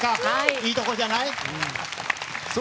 いいところじゃない？